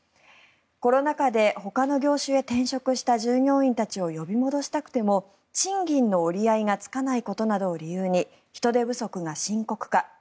コロナ禍でほかの業種へ転職した従業員たちを呼び戻したくても賃金の折り合いがつかないことなどを理由に人手不足が深刻化。